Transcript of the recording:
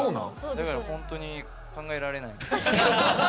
だから本当に考えられない。